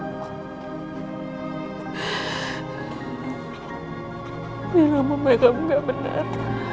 ini nama mereka juga gak benar